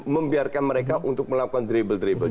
membiarkan mereka untuk melakukan dribble dribble